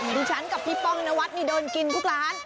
ดิฉันกับพี่ป้องนวัดนี่เดินกินทุกร้าน